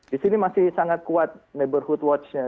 di sini masih sangat kuat neberhood watch nya